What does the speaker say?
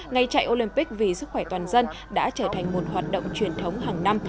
ngày chạy olympic vì sức khỏe toàn dân đã trở thành một hoạt động truyền thống hàng năm